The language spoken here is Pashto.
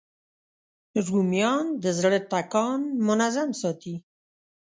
رومیان د زړه ټکان منظم ساتي